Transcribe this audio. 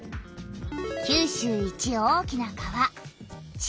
九州一大きな川「筑後川」。